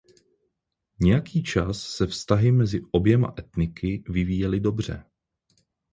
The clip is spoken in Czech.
Nějaký čas se vztahy mezi oběma etniky vyvíjely dobře.